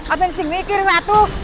apa yang dikira kira sama atu